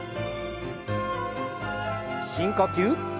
深呼吸。